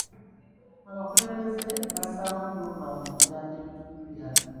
Abakulembeze bassaawo pulogulaamu okuyamba ebitundu byabwe.